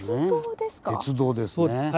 鉄道ですね。